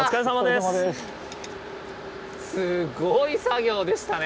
すごい作業でしたね。